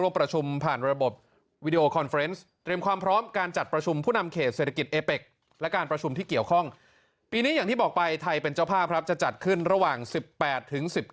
โอชาครับนายกชำนาทินะรกอนุ